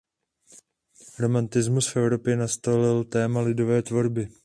Romantismus v Evropě nastolil téma lidové tvorby.